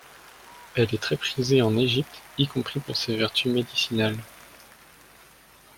Elle est très prisée en Égypte, y compris pour ses vertus médicinales.